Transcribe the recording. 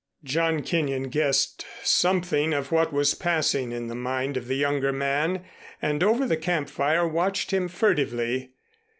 John Kenyon guessed something of what was passing in the mind of the younger man, and over the camp fire watched him furtively.